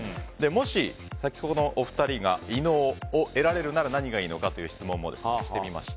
もし、先ほどのお二人が異能を得られるなら何がいいのかという質問もしてみました。